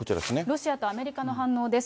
ロシアとアメリカの反応です。